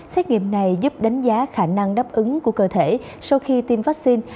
xét nghiệm này giúp đánh giá khả năng đáp ứng của cơ thể sau khi tiêm vaccine